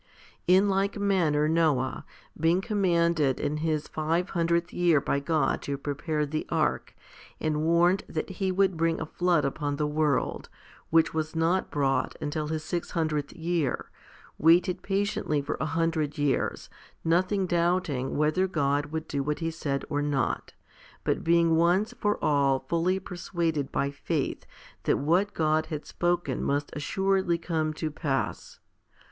6. In like manner Noah, being commanded in his five hundredth year by God to prepare the ark, and warned that He would bring a flood upon the world, which was not brought until his six hundredth year, waited patiently for a hundred years, nothing doubting whether God would do what He said or not, but being once for all fully persuaded by faith that what God had spoken must assuredly come to pass.